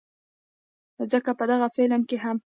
ځکه په دغه فلم کښې هم